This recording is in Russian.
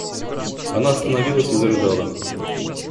Она остановилась и зарыдала.